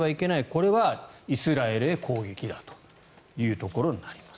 これはイスラエルへ攻撃だというところになります。